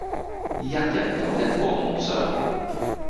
一人有一個夢想